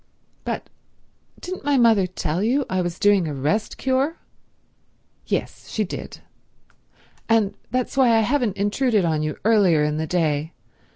"But—didn't my mother tell you I was doing a rest cure?" "Yes. She did. And that's why I haven't intruded on you earlier in the day.